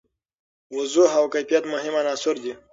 وضوح او کیفیت مهم عناصر دي.